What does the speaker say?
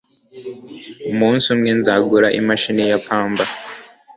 Umunsi umwe nzagura imashini ya pamba.